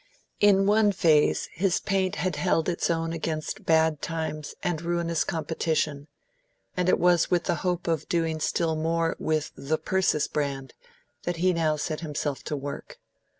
In one phase his paint had held its own against bad times and ruinous competition, and it was with the hope of doing still more with the Persis Brand that he now set himself to work.